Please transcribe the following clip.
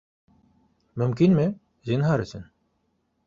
Мөмкинме? Зинһар өсөн.